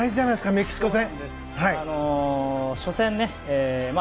メキシコ戦。